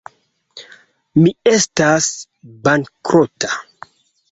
Mi estas bankrota.